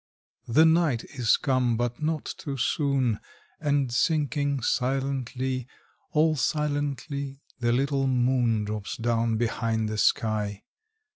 The night is come, but not too soon; And sinking silently, All silently, the little moon Drops down behind the sky.